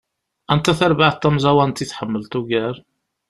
Anta tarbaεt tamẓawant i tḥemmleḍ ugar?